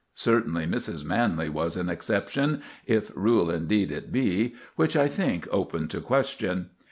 Certainly Mrs. Manley was an exception, if rule indeed it be, which I think open to question.